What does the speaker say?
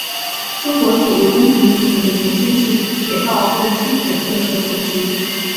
中国铁路工程集团的前身是铁道部基本建设总局。